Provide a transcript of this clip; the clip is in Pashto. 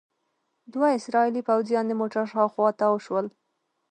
دوه اسرائیلي پوځیان د موټر شاوخوا تاو شول.